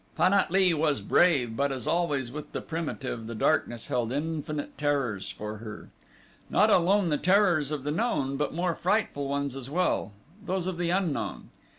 Pan at lee was brave, but as always with the primitive, the darkness held infinite terrors for her. Not alone the terrors of the known but more frightful ones as well those of the unknown.